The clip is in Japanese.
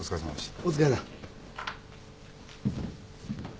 お疲れさん。